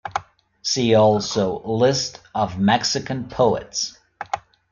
"See also List of Mexican poets"